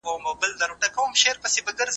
قانوني پرېکړې اعلان شوې.